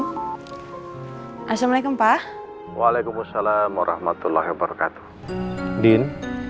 hai assalamualaikum pah waalaikumussalam warahmatullah wabarakatuh din